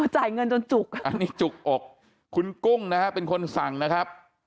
จ่ายเงินจนจุกอ่ะอันนี้จุกอกคุณกุ้งนะฮะเป็นคนสั่งนะครับ